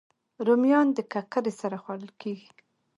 رومیان د ککرې سره خوړل کېږي